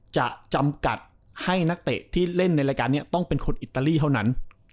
จะจำกัดให้นักเตะที่เล่นในรายการนี้ต้องเป็นคนอิตาลีเท่านั้น